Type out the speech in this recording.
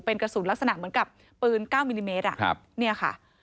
เป็นกระสุนลักษณะเหมือนกับปืน๙มิลลิเมตรเนี่ยค่ะ